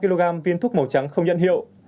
hai năm kg viên thuốc màu trắng không nhận hiệu